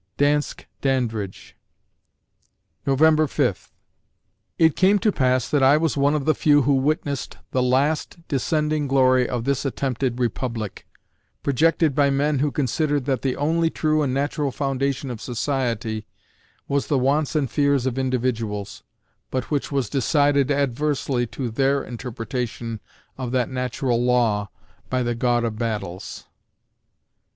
DANSKE DANDRIDGE November Fifth It came to pass that I was one of the few who witnessed the last descending glory of this attempted Republic, projected by men who considered that the only true and natural foundation of society was "the wants and fears of individuals," but which was decided adversely to their interpretation of that natural law, by the God of battles.